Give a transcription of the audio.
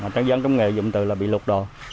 trang dân trong nghề dụng từ là bị lục đồ